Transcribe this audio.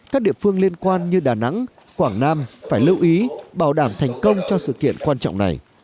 các địa phương liên quan như đà nẵng quảng nam phải lưu ý bảo đảm thành công cho sự kiện quan trọng này